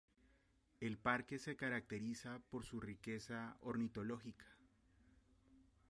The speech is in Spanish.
El parque se caracteriza por su riqueza ornitológica.